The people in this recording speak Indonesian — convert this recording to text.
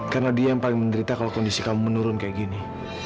karena dia yang paling menderita kalau kondisi kamu menurun kayak gini